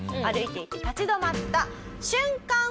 歩いていて立ち止まった瞬間